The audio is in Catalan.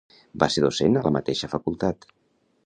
Va ser docent a la mateixa facultat.